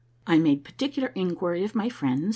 I made particular inquiry of my friends.